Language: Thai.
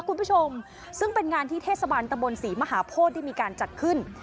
คุณผู้ชมซึ่งเป็นงานที่เทศบาลตะบนศรีมหาโพธิได้มีการจัดขึ้น